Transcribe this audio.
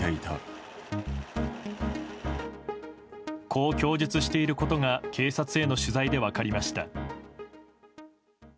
こう供述していることが警察への取材で分かりました。